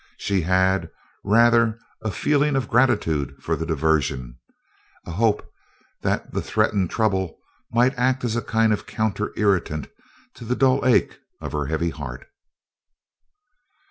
She had, rather, a feeling of gratitude for the diversion a hope that the threatened "trouble" might act as a kind of counter irritant to the dull ache of her heavy heart.